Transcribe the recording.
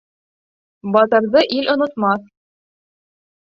Батырҙы ил онотмаҫ.